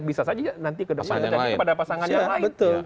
bisa saja nanti terjadi kepada pasangan yang lain